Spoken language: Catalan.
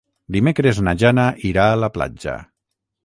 Dimecres na Jana irà a la platja.